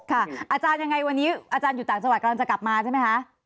อาจารย์ยังไงวันนี้อาจารย์อยู่ต่างจังหวัดกำลังจะกลับมาใช่ไหมคะ